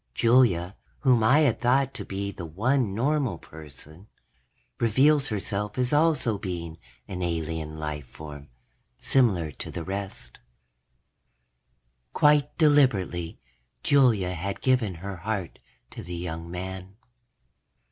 Julia, whom I had thought to be the one normal person, reveals herself as also being an alien life form, similar to the rest: _... quite deliberately, Julia had given her heart to the young man.